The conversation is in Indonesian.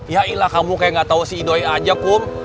yailah kamu kayak nggak tahu si idoi saja kum